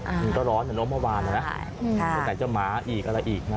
อันนี้ก็ร้อนเหมือนเมื่อวานนะแต่จะม้าอีกอันละอีกนะ